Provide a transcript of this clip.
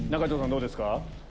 どうですか？